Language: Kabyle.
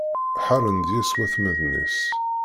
Ḥaren deg-s watmaten-is.